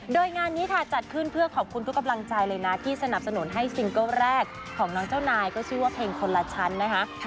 โดยงานนี้ค่ะจัดขึ้นเพื่อขอบคุณทุกกำลังใจเลยนะที่สนับสนุนให้ซิงเกิ้ลแรกของน้องเจ้านายก็ชื่อว่าเพลงคนละชั้นนะคะ